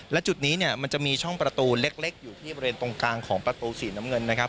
และจุดนี้เนี่ยมันจะมีช่องประตูเล็กอยู่ที่บริเวณตรงกลางของประตูสีน้ำเงินนะครับ